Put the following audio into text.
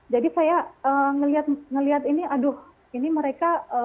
jadi saya melihat ini aduh ini mereka